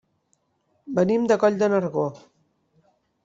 Venim de Coll de Nargó.